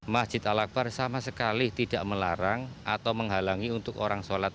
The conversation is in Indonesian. masjid al akbar sama sekali tidak melarang atau menghalangi untuk orang sholat